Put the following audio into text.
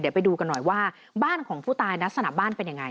เดี๋ยวไปดูกันหน่อยว่าบ้านของผู้ตายลักษณะบ้านเป็นยังไง